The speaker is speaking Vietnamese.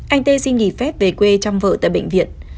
anh tê xin nghỉ phép về quê chăm vợ tại bệnh viện